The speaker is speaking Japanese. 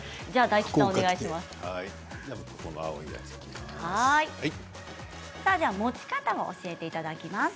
大吉さん、お願いします。